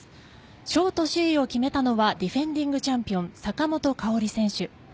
ショート首位を決めたのはディフェンディングチャンピオン坂本花織選手。